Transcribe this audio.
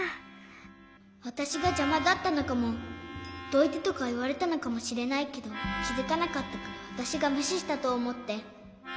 わたしがじゃまだったのかも「どいて」とかいわれたのかもしれないけどきづかなかったからわたしがむししたとおもって。